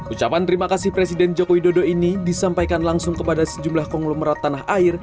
ucapan terima kasih presiden joko widodo ini disampaikan langsung kepada sejumlah konglomerat tanah air